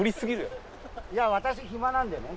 いや私暇なんでね。